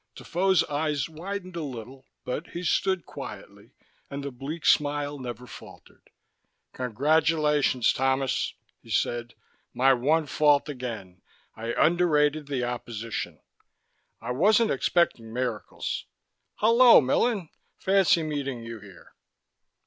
Defoe's eyes widened a trifle, but he stood quietly, and the bleak smile never faltered. "Congratulations, Thomas," he said. "My one fault again I underrated the opposition. I wasn't expecting miracles. Hello, Millen. Fancy meeting you here."